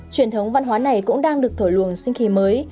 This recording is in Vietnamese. truyền thống văn hóa này cũng đang được thổi luồng sinh khí mới